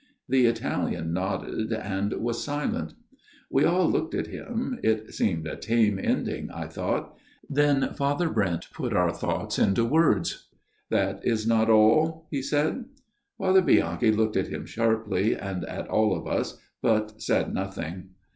The Italian nodded, and was silent. We all looked at him. It seemed a tame ending I thought. Then Father Brent put our thoughts into words. " That is not all ?" he said. Father Bianchi looked at him sharply, and at all of us, but said nothing.